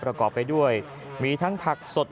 ประกอบไปด้วยมีทั้งผักสด